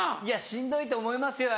しんどいと思いますよ